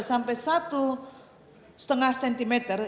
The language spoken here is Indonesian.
sampai satu setengah sentimeter